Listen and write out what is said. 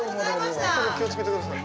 そこ気をつけてください。